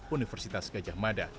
universitas gajah mada